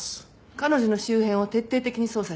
彼女の周辺を徹底的に捜査して。